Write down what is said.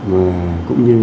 và cũng như là